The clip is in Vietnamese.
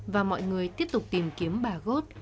và mọi người tiếp tục tìm kiếm bà gốt